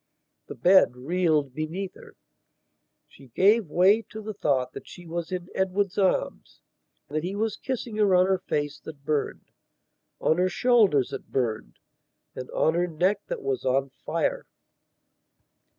The bed reeled beneath her; she gave way to the thought that she was in Edward's arms; that he was kissing her on her face that burned; on her shoulders that burned, and on her neck that was on fire.